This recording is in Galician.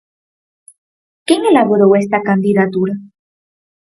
¿Quen elaborou esta candidatura?